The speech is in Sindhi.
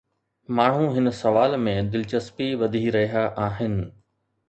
ماڻهو هن سوال ۾ دلچسپي وڌي رهيا آهن.